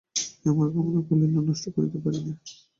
আমার কামনার কৌলীন্য নষ্ট করতে পারি নে।